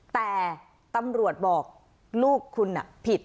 แต่ตำรวจบอกลูกคุณผิด